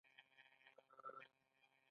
دا لیکنه د دیارلس سوه شپږ نوي کال ده.